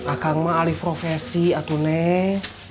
akan mah alih profesi atu neng